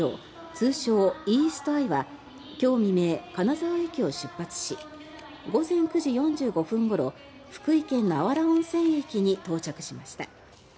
通称、イースト・アイは今日未明、金沢駅を出発し午前９時４５分ごろ福井県の芦原温泉駅に到着しました。